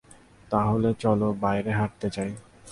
তাহলে, চলো, বাইরে হাটতে যাই।